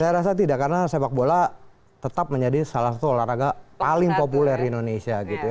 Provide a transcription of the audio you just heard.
saya rasa tidak karena sepak bola tetap menjadi salah satu olahraga paling populer di indonesia gitu ya